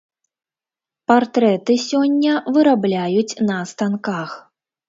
Партрэты сёння вырабляюць на станках.